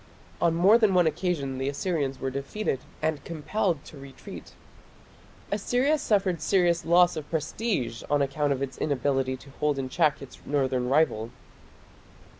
On more than one occasion the Assyrians were defeated and compelled to retreat. Assyria suffered serious loss of prestige on account of its inability to hold in check its northern rival.